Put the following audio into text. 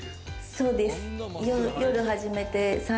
そうです。